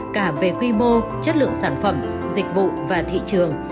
cả về quy mô chất lượng sản phẩm dịch vụ và thị trường